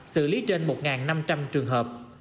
xử lý trên một năm trăm linh trường hợp